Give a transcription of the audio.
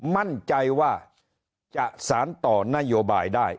มั่นใจว่าจะสารต่อนโยบายได้